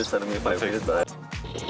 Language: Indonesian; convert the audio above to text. ini tempat yang bagus